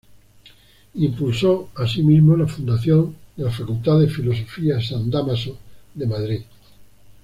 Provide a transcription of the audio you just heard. Impulsó, así mismo, la fundación de la Facultad de Filosofía San Dámaso de Madrid.